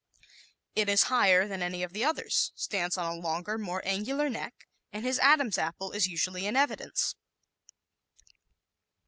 It is higher than any of the others, stands on a longer, more angular neck, and his "Adam's Apple" is usually in evidence.